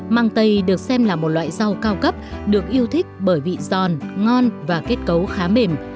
mang tây được xem là một loại rau cao cấp được yêu thích bởi vị giòn ngon và kết cấu khá mềm